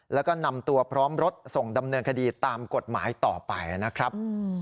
แล้วก็นำตัวพร้อมรถส่งดำเนินคดีตามกฎหมายต่อไปนะครับ